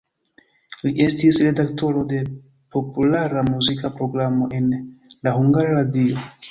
Li estis redaktoro de populara muzika programo en la Hungara Radio.